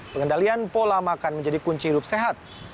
pengendalian pola makan menjadi kunci hidup sehat